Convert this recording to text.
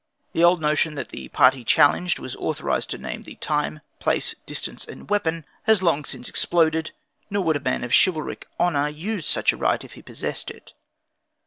The old notion that the party challenged, was authorized to name the time, place, distance and weapon, has been long since exploded; nor would a man of chivalric honor use such a right, if he possessed it.